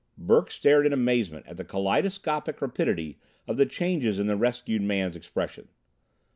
Burke stared in amazement at the kaleidoscopic rapidity of the changes in the rescued man's expression.